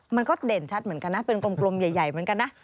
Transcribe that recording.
มันก็เด่นชัดเหมือนกันนะเป็นกลมใหญ่เหมือนกันนะ